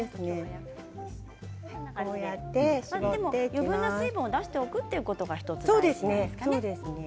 余分な水分を出しておくということが大事なんですね。